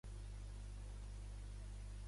Són mol·luscs marins.